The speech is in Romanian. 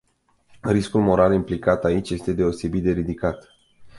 Riscul moral implicat aici este deosebit de ridicat.